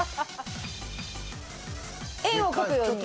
円を描くように。